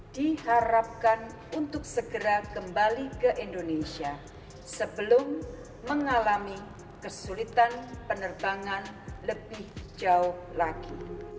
diharapkan untuk segera kembali ke indonesia sebelum mengalami kesulitan penerbangan lebih jauh lagi